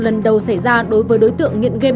lần đầu xảy ra đối với đối tượng nghiện game